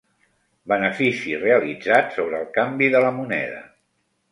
Benefici realitzat sobre el canvi de la moneda.